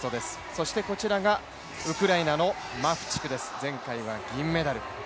そしてこちらがウクライナのマフチクです、前回は銀メダル。